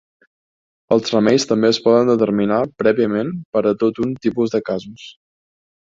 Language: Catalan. Els remeis també es poden determinar prèviament per a tot un tipus de casos.